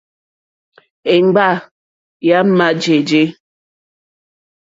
Èŋɡba yà má jèjɛ̀.